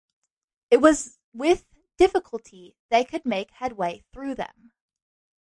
It was with difficulty they could make headway through them.